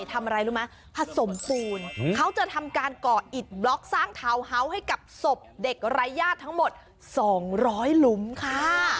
ทำอะไรรู้ไหมผสมปูนเขาจะทำการก่ออิดบล็อกสร้างทาวน์เฮาส์ให้กับศพเด็กรายญาติทั้งหมด๒๐๐หลุมค่ะ